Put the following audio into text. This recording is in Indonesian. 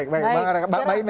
baik baik baik